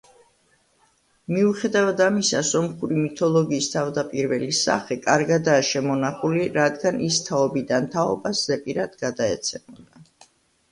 მიუხედავად ამისა სომხური მითოლოგიის თავდაპირველი სახე კარგადაა შემონახული რადგან ის თაობიდან თაობას ზეპირად გადაეცემოდა.